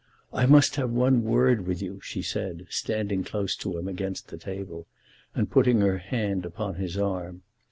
"I must have one word with you," she said, standing close to him against the table, and putting her hand upon his arm.